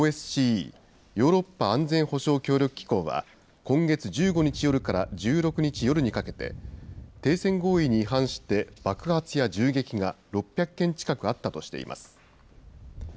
・ヨーロッパ安全保障協力機構は、今月１５日夜から１６日夜にかけて、停戦合意に違反して爆発や銃撃が６００件近くあったとしています。